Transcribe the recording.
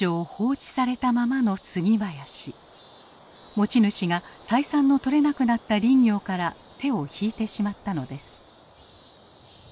持ち主が採算のとれなくなった林業から手を引いてしまったのです。